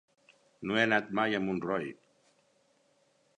No he anat mai a Montroi.